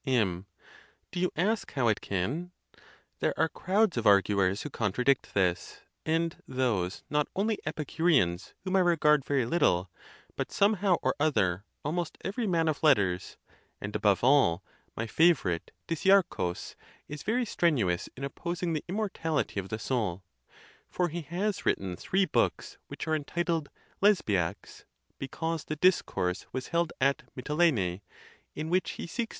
M. Do you ask how it can? There are crowds of ar guers who contradict this; and those not only Epicureans, whom I regard very little, but, somehow or other, almost every man of letters; and, above all, my favorite Diczear chus is very strenuous in opposing the immortality of the soul: for he has written three books, which are entitled Lesbiacs, because the discourse was held at Mitylene, in which he seeks.